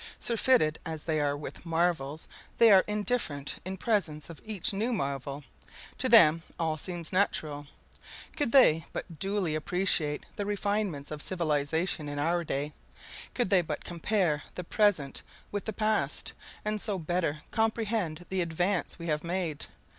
Surfeited as they are with marvels, they are indifferent in presence of each new marvel. To them all seems natural. Could they but duly appreciate the refinements of civilization in our day; could they but compare the present with the past, and so better comprehend the advance we have made!